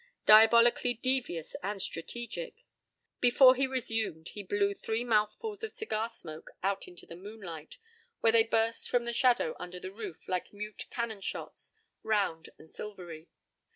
Diabolically devious and strategic! Before he resumed he blew three mouthfuls of cigar smoke out into the moonlight, where they burst from the shadow under the roof like mute cannon shots, round and silvery.